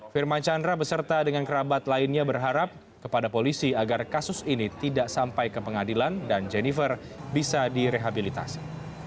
firman chandra beserta dengan kerabat lainnya berharap kepada polisi agar kasus ini tidak sampai ke pengadilan dan jennifer bisa direhabilitasi